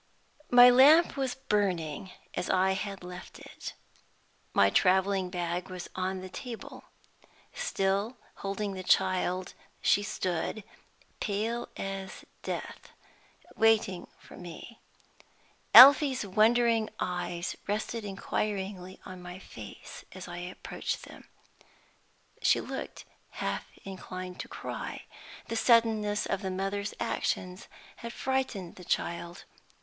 My lamp was burning as I had left it; my traveling bag was on the table. Still holding the child, she stood, pale as death, waiting for me. Elfie's wondering eyes rested inquiringly on my face as I approached them. She looked half inclined to cry; the suddenness of the mother's action had frightened the child.